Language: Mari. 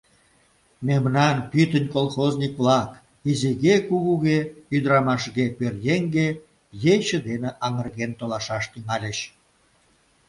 Мемнан пӱтынь колхозник-влак — изиге-кугуге, ӱдырамашге-пӧръеҥге — ече дене аҥырген толашаш тӱҥальыч.